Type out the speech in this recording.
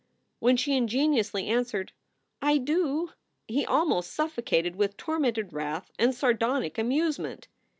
When she ingenuously answered, "I do," he almost suffocated with tormented wrath and sardonic amusement.